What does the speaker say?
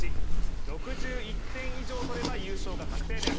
６１点以上取れば優勝が確定です。